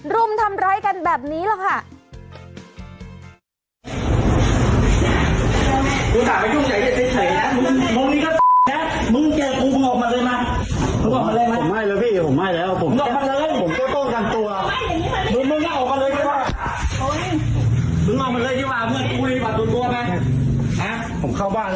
กูเห็นรูปค้าเพิ่มเปิ้ลตั้งแต่เมื่อวานแล้วกูเฉยแล้วกูอยู่หลังบ้าน